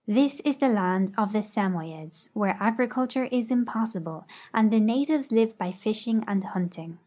This is the land of the Samoyeds, where agriculture is impossi ble, and the natives live by Ashing and hunting.